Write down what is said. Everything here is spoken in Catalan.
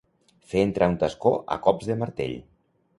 Fer entrar un tascó a cops de martell.